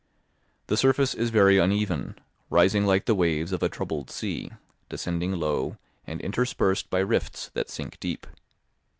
The surface is very uneven, rising like the waves of a troubled sea, descending low, and interspersed by rifts that sink deep.